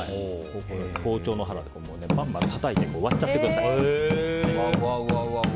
包丁の腹でバンバンたたいて割っちゃってください。